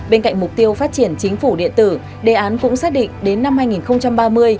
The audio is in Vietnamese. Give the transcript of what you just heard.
bên cạnh mục tiêu phát triển chính phủ điện tử đề án cũng xác định đến năm hai nghìn ba mươi